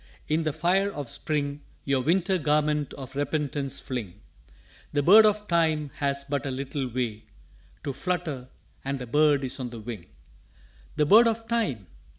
"In the fire of Spring Your Winter garment of Repentance fling. The Bird of Time has but a little way To flutter and the Bird is on the Wing._" "The Bird of Time?"